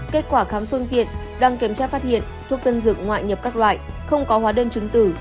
kết quả khám phương tiện đoàn kiểm tra phát hiện thuốc tân dược ngoại nhập các loại không có hóa đơn chứng tử